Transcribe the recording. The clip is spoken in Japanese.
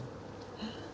えっ？